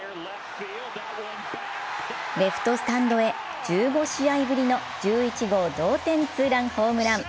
レフトスタンドへ１５試合ぶりの１１号同点ツーランホームラン。